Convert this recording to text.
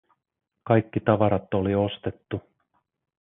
Kaikki tavarat oli ostettu.